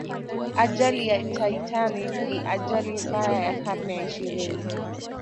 ajali ya titanic ni ajali mbaya ya karne ya ishirini